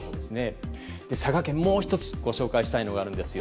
佐賀県、もう１つご紹介したいのがあるんですよ。